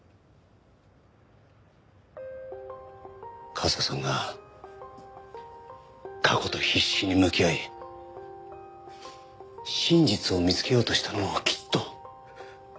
和沙さんが過去と必死に向き合い真実を見つけようとしたのもきっと。